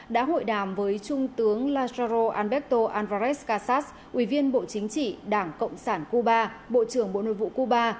đã hội đàm với trung tướng lajaro alberto álvarez casas ủy viên bộ chính trị đảng cộng sản cuba bộ trưởng bộ nội vụ cuba